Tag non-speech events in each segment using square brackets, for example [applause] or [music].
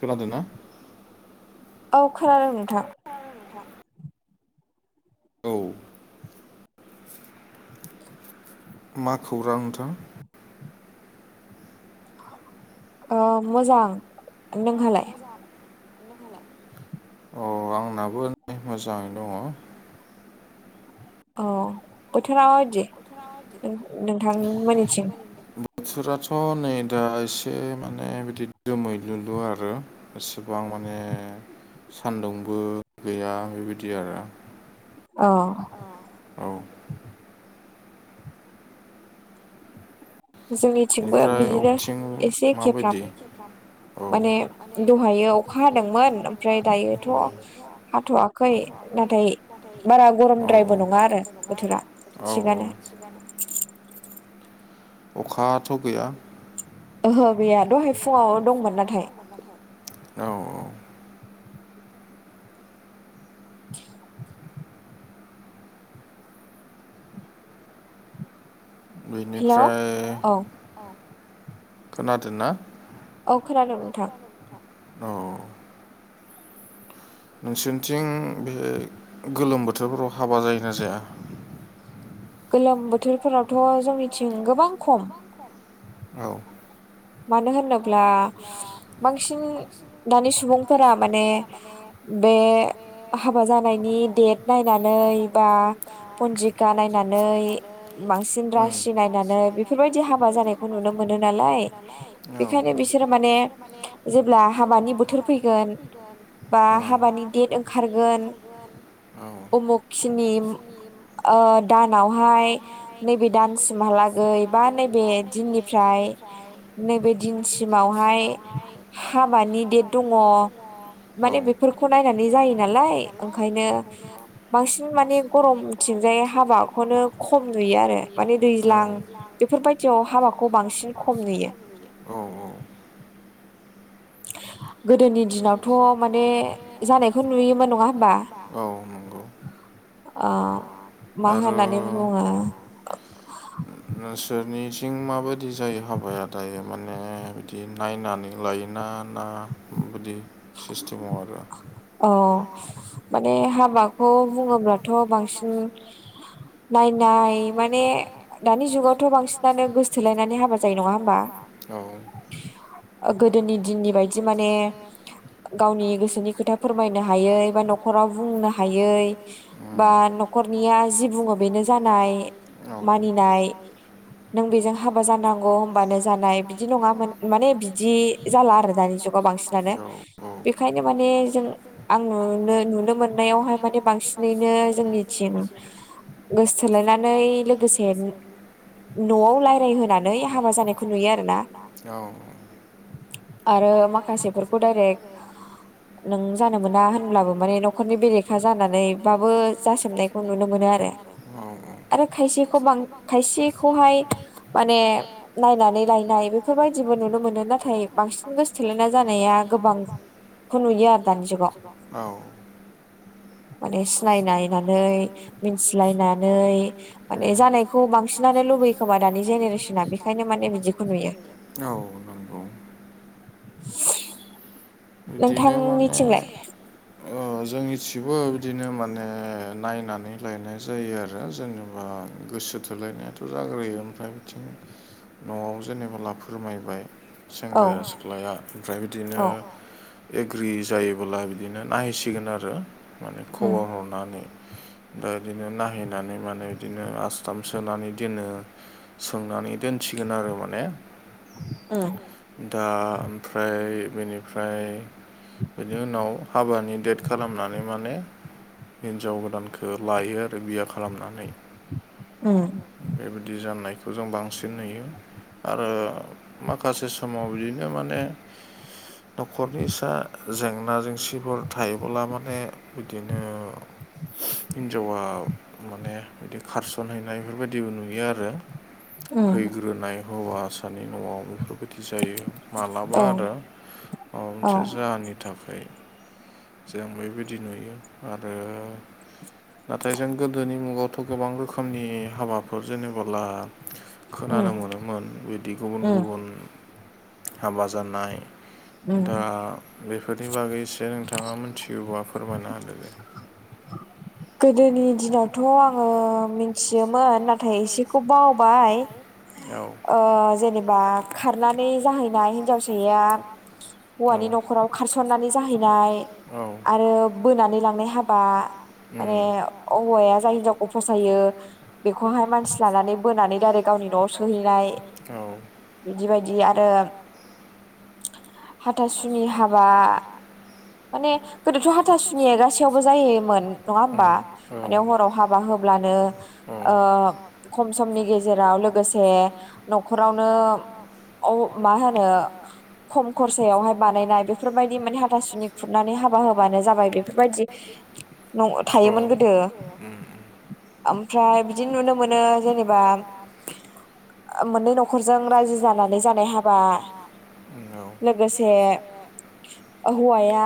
खोनादों ना? औ खोनादों नोंथां। औ। मा खौरां नोंथां। मोजां नोंहालाय? औ आंनाबो मोजाङै दङ। अ बोथोरा बायदि नोंथांमोननिथिं बोथोराथ' नै दा एसे माने बिदि जोमैलुलु आरो। एसेबां माने सान्दुंबो गैया बेबायदि आरो। अ औ जोंनिथिंबो बिदिनो एसे खेब्राम माने दहायो अखा हादोंमोन ओमफ्राय दायोथ' हाथ'आाखै नाथाय बारा गरमद्रायबो नङा आरो बोथोरा। सिगाय ग अखाथ' गैया ओहो बेया दहाय फुङाव दंमोन नाथाय। औ औ [inaudible] बिनिफ्राय खोनादों ना औ खोनादों नोंथां। नोंसोरनिथिं बे गोलोम बोथोरफोराव हाबा जायोना जाया? गोलोम बोथोरफोरावथ' जोंनिथिं गोबां खम। मानो होनोब्ला बांसिन दानि सुबुंफोरा माने। बे हाबा जानायनि डेट नायनानै बा। पन्जिका नायनानै बांसिन रासि नायनानै बेफोरबायदि हाबा जानायखौ नुनो मोनो नालाय। बेखायनो बिसोरो माने जेब्ला हामानि बोथोर फैगोन। बा हाबानि दडेट ओंखारगोन उमुख खिनि दानावहाय नैबे दानसिमहालागै बा नैबे दिननिफ्राय नैबे दिनसिमावहाय हाबानि देट दङ। माने बेफोरखौ नायनानै जायो नालाय ओंखायनो बांसिन माने गरमथिंजाय हाबाखौनो खम नुयो आरो माने दैज्लां बेफोरबायदियाव हाबाखौ बांसिन खम नुयो। गोदोनि दिनावथ' माने जानायखौ नुयोमोन नङा होमबा? औ नंगौ। आ माहोननानै बुङो नोंसोरनि जिं माबायदि जायो हाबाया दायो। माने बिदि नायनानै लायोना ना बिदि सिस्टेमाव आरो औ माने हाबाखौ बुङोब्लाथ' बांसिन नायनाय माने दानि जुगावथ' बांसिनानो गोसोलायनानै हाबा जायो नङा होमबा? गोदोनि दिननि बायदि माने गावनि गोसो बिसोरनि खोथा फोरमायनो हायै बा न'खराव बुंनो हायै बा न'खरनिया जि बुङो बेनो जानाय मानिनाय नों बेजों हाबा जानांगौ होमबानो जानाय बिदि नङामोन माने बिदि जाला आरो दानि जुगाव बांसिनानो बेखायनो माने जों आं नुनो नुनो मोननायावहाय माने बांसिनैनो जोंनि गोसोथोलायनानै लोगोसे न'आव राय्लायहानै हाबा जानायखौ नुयो आ दा आरो माखासेफोरखौ डाइरेक्ट नों जानो मोना होनब्लाबो माने न'खरनि बेरेखा जानानैबाबो जासोमनाय खौ नुनो मोनो आरो आरो खायसेखौां खायसेखौहाय माने नायनानै लायनाय बेफोरबायदिबो नुनो मोनो नाथाय बांसिन गोसोथोलायना जानाया गोबां ख नु आरो दानोस [unintelligible] ख माने सिनायनायनानै मिथिलायनानै माने जानायखौ बांसिनानो लुबैयो खोमा दानि जेनेरेसना बेखायनो माने बिदिखौ नुयो। औ। [inaudible] नोंथांनिथिंलाय जोंनिथिबो बिदिनो माने नायनानै लायनाय जायो आरो जेनेबा गोसो सोलायनायाथ' जाग्रोयो ओमफ्राय बिथिं न'आव जेनेबला फोरमायबाय सेंग्राया सिख्लाया ओमफ्राय बिदिनो एग्रि जायोबोब्ला बिदिनो नायहैसिगोन आरो माने खबार हर दमा बिदिनो नायहैनानै माने बिदिनो आसथाम सोनानै दोनो। सोंनानै दोनसिगोन आरो माने उम दा ओमफ्राय बेनिफ्राय बिनि उनाव हाबानि डेट खालामनानै माने हिन्जाव गोदानखौ लायो आरो बिया खालामनानै उम। बेबायदि जाननायखौ जों बांसिन नुयो। आरो माखासे समाव बिदिनो माने [inaudible] न'खरनिसा जेंना जेंसिफोर थायोब्ला माने बिदिनो हिनजावा माने बिदि खारसनहैनाय बेफोरबायदि दिउ नुयो आरो फैग्रोनाय हौवासानि न'आव बेफोरबायदि जायो मालाबा आरो माबा मोनसे जाहोननि थाखाय जों बेबायदि नुयो आरो नाथाय जों गोदोनि मुगावथ' गोबां रोखोमनि हाबाफोर जेनेबोला खोनानो मोनोमोन बिदि गुबुन गुबुन हाबा जानाय दा बेफोरनि बागै एसे नोंथाङा मोनथियोबा फोरमायना होदो दे गोदोनि दिनावथ' आङोथि थियोमोन नाथाय एसेखौ बावबाय जेनेबा खारनानै जाहैनाय हिन्जावसया हौवानि न'खराव खारसननानै जाहैनाय आरो बोनानै लांनाय हाबा माने हौवाया जाय हिनजावखौ फसायो बेखौहाय मानसि लानानै बोनानै दा गावनि न'आव बिदि बायदि आरो हाथासुनि हाबा माने गोदोथ' हाथा सुनि गासैयावबो जायोमोन नङा होमबा माने हराव हाबा होब्लानो खम समनि गेजेराव लोगोसे न'खरावनो मा होनो खम खरसायावहाय बानायनाय बेफोरबायदि माने हाथासुनि खुरनानै हाबा होबानो जाबाय बेफोरबायदि न थायोमोन गोदो ओमफ्राय बिदि नुनो मोनो जेनेबा मोननै न'खरजों राजि जानानै जानाय हाबा लोगोसे हौवाया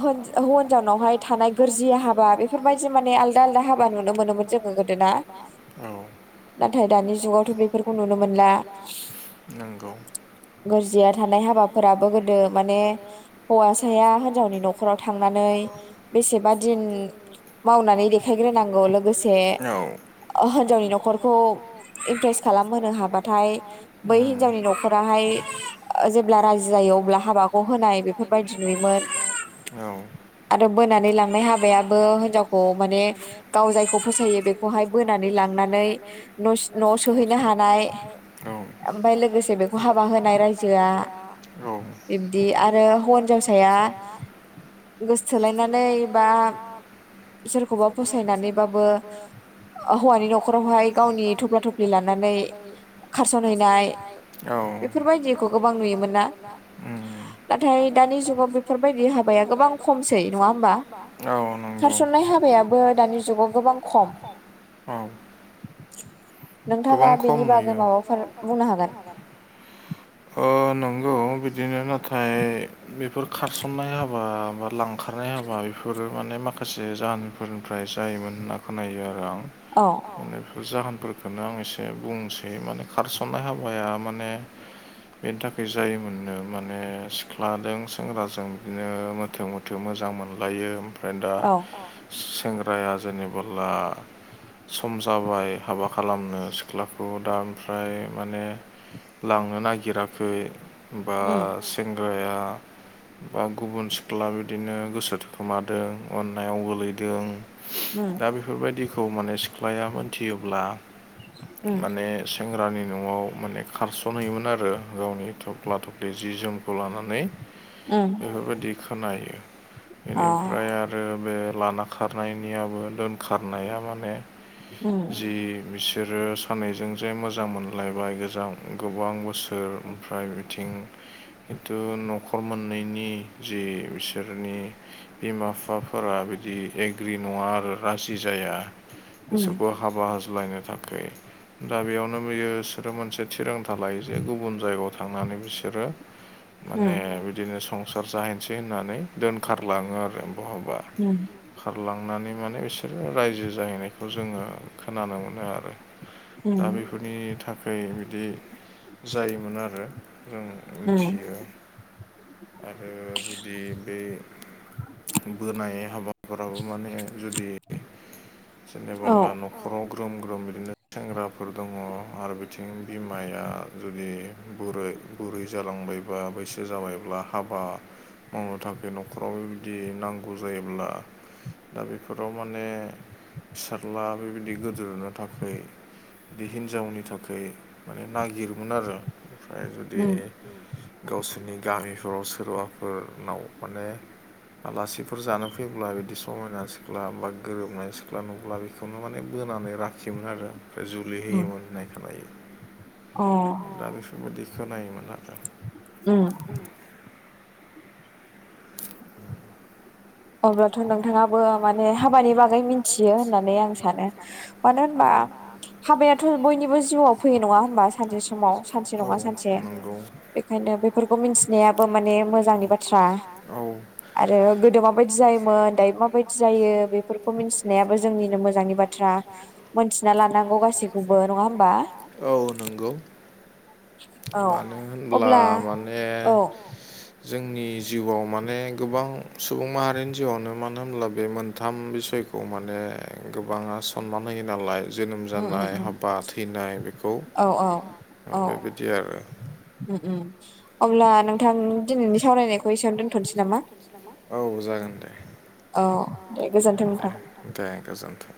हौनजावनावहाय थानाय गोरजि हाबा बेफोरबायदि माने आलदा आलदा हाबा नुनो मोनोमोन जोङो गोदोना नाथाय दानि जुगावथ' बेफोरखौ नुनो मोनला गोरजिया थानाय हाबाफोराबो गोदो माने हौवासाया हिनजावनि न'खर नखराव थांनानै बेसेबा दिन मावनानै देखायग्रोनांगौ लोगोसे आ जानि न'खर खौ इमप्रेस खालामहोनो हाबाथाय बै हिनजावनि न'खराहाय जेब्ला रायजो जायो अब्ला हाबाखौ होलाय बेखौ बाय औ आरो बोनानै लांनाय हाबायाबो हिनजावखौ माने गाव जायखौ फोसायो बे बेखौहाय बोनानै लांनानै न'आव सोहैनो हानाय ओमफफ्राय लोगोसे बेखौ हाबा होनाय रायजोआ बिबदि आरो हौ हिनजावसाया गोसथोलायनानै बा सोरखौबा फसायनानैबाबो हौवानि न'खरावहाय गावनि थफ्ला थफ्लि लानानै सालायनाय औ बेफोरबाय खौ गोबां नुयोना नाथाय दानि जुगाव बोथोरफोर देहाबाया गोबां खमसै नङा औ नंगौ हाबो दानि जाव गोबां खम औ नोंथाङा बेनि बागै माबाफोर बुंनो हागोन नंगौ बिदिनो नाथाय बेफोर खारसननाय हाबा बा लां ओ खखारनाय हाबा बेफोरो माने माखासे जाहोनफोरनिफ्राय जायोमोन होनना खोनायो आरो आं औ बेफोर जाहोनफोरखौनो आं एसे बुंसै माने खारसननाय हाबाया माने बेनि थाखाय जायोमोननो माने सिख्लाजों सेंग्राजों बिदिनो मोथो मोथ थो मोजां मोनलायो ओमफ्राय दा सेंग्राया जेनेबोला सम जाबाय हाबा खालामनो सिख्लाखौ दा ओमफ्राय माने लांनो नागिराखै बा सेंग्राया बा गुबुन सिख्ला बिदिनो गोसो थाखोमादों अन्नायाव गोलैदों उ दा बेफोरबायदिखौ माने सिख्लाया मोनथियोब्ला माने सेंग्रानि न'आव माने खारसनहैयोमोन आरो गावनि थफ्ला थफ्लि जि जोम खौ लानानै उम बेफोरबायदि खोनायो बेनिफ्राय आरो आरो बे लाना खारनायनियाबो दोनखारनाया माने जि बिसोरो सानैजों जे मोजां मोनलायबाय गोजां गोबां बोसोर फ्राय बिथिं खिन्थु न'खर मोननैनि जे बिसोरनि बिमा बिफाफोरा बिदि एग्रि नङा आरो राजि जाया बिसोरखौ हाबा होज्लायनो थाखाय दा बेयावनो बियो बिसोरो मोनसे थिरांथा लायो जे गुबुन जायगायाव थांनानै बिसोरो [inaudible] माने बिदिनो संसार जाहैनोसै होननानै दोनखारलाङो आरो बहाबा ह खारलांनानै माने बिसोरो रायजो जाहैनायखौ जोङो खोनानो मोनो आरो दा बेफोरनि थाखाय बिदि जायोमोन आरो जों मिथियो आरो जुदि बे बोनाय हाबाफोराबो माने जुदि जेनेबोला न'खराव ग्रोम ग्रोम बिदिनो सेंग्राफोर दङ आरो बिथिं बिमाया जुदि बुरै बुरै जालांबायबा बैसो जाबायब्ला हाबा मावनो थाखाय न'खराव बेबायदि नांगौ जायोब्ला दा बेफोराव माने फिसाला बेबायदि गोदोरा थाखायो थाखाय बे हिन्जावनि थाखाय माने नागिरोमोन आरो ओमफ्राय जुदि गावसोरनि गामिफोराव सोरबाफोरनाव माने आलासिफोर जानो फैब्ला बिदि समायना सिख्ला बा गोरोबनाय सिख्ला नुब्ला बे बेखौनो माने बोनानै लाखियोमोन आरो ओमफ्राय जुलि होयोमोन होननाय खोनायो अ दा बेफोरबायदि खोनायोमोन आरो उ अब्लाथ' नोंथाङाबो माने हाबानि बागै मिथियो होननानै आं सानो मानो होनबा हाबायाथ' बयनिबो जिउआव फैयो नङा होनबा सानसे समाव सानसे नङा सानसे बेखायनो बेफोरखौ मिथिनायाबो माने मोजांनि बाथ्रा आरो गोदोबा जायोमोन दायो माबायदि जायो बेफोरखौ मिथिनायाबो जोंनिनो मोजांनि बाथ्रा मोनथिना लानांगौ गासैखौबो नङा होमबा औ नंगौ मानो होनब्ला माने जोंनि जिउआव माने गोबां सुबुं माहारिनि जिउआवनो मानो होनब्ला बे मोनथाम बिसयखौ खौ माने गोबाङा सनमान होयो नालाय जोनोम जानाय हाबा थैनाय बेखौ औ औ दा बेबायदि आरो उम उम अब्ला नोंथां दिनैनि सावरायनायखौ एसेयावनो दोनथ'नोसै नामा औ जागोन दे औ दे गोजोन्थों नोंथां दे गोजोनथों